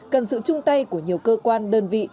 cần sự chung tay của nhiều cơ quan đơn vị